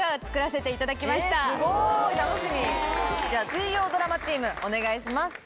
水曜ドラマチームお願いします。